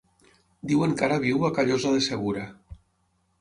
Diuen que ara viu a Callosa de Segura.